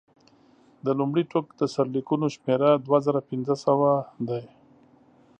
د لومړي ټوک د سرلیکونو شمېر دوه زره پنځه سوه دی.